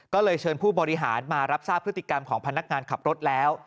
ก็เลยเชิญผู้บริหารมารับทราบพฤติกรรมของพนักงานขับรถแล้ว